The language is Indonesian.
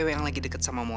pernama aja sama temen ya